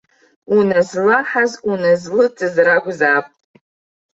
Уназлаҳаз уназлыҵыз ракәзаап!